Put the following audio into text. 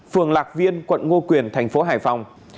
phường lạc viên quận ngô quyền thành phố hải phòng